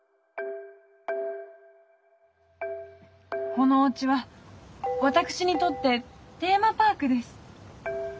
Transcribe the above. このおうちは私にとってテーマパークです。